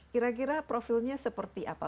kira kira profilnya seperti apa